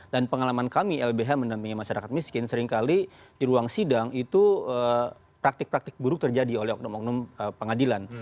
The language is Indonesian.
dan pengalaman kami lbh menampingi masyarakat miskin seringkali di ruang sidang itu praktik praktik buruk terjadi oleh oknum oknum pengadilan